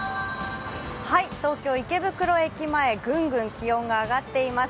東京・池袋駅前、グングン気温が上がっています。